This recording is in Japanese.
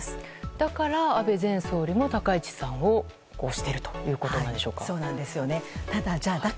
だから安倍前総理も高市さんを推しているということなんでしょうか。